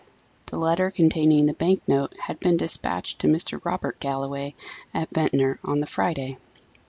The letter containing the bank note had been despatched to Mr. Robert Galloway, at Ventnor, on the Friday.